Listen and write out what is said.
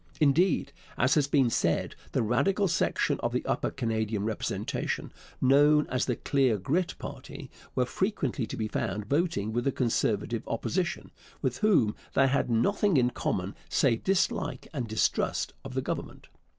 Indeed, as has been said, the Radical section of the Upper Canadian representation, known as the Clear Grit party, were frequently to be found voting with the Conservative Opposition, with whom they had nothing in common save dislike and distrust of the Government.